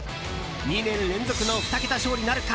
２年連続の２桁勝利なるか。